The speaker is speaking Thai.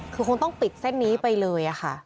คือคงต้องปิดเส้นนี้ไปเลยค่ะ